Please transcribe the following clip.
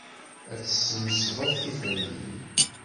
Ad tesmesdeḍ tiferyin.